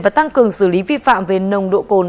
và tăng cường xử lý vi phạm về nồng độ cồn